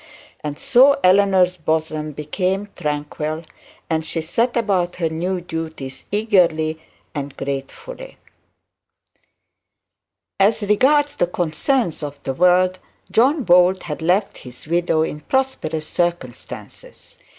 And so Eleanor's bosom became tranquil, and she set about her new duties eagerly and gratefully. As regards the concerns of the world, John Bold had left his widow in prosperous circumstances.